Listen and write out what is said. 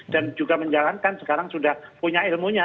dan juga menjalankan sekarang sudah punya ilmunya